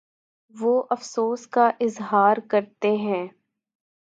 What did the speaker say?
وہ افسوس کا اظہارکرتے ہیں